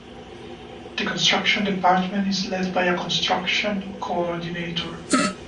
The construction department is led by a construction coordinator.